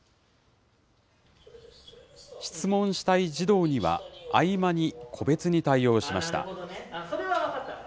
質問したい児童には、合間に個別に対応しました。